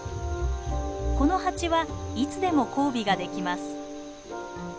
このハチはいつでも交尾ができます。